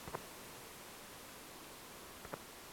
Sorry, সোনা।